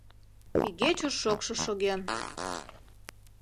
Игече шокшо шоген.